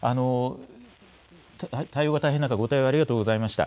対応が大変な中、ご対応ありがとうございました。